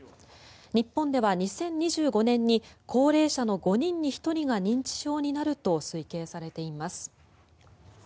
日本では２０２５年に高齢者の５人に１人が認知症になると推計されています。